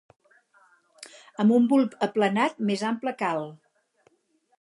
Amb un bulb aplanat més ample que alt.